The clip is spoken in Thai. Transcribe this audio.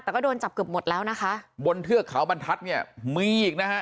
แต่ก็โดนจับเกือบหมดแล้วนะคะบนเทือกเขาบรรทัศน์เนี่ยมีอีกนะฮะ